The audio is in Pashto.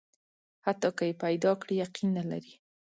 حتی که یې پیدا کړي، یقین نه لري.